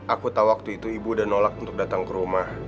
aku tahu waktu itu ibu udah nolak untuk datang ke rumah